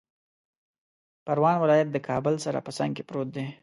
پروان ولایت د کابل سره په څنګ کې پروت دی